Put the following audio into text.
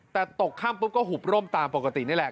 แต่ตกค่ำปุ๊บก็หุบร่มตามปกตินี่แหละ